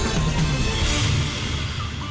terima kasih juga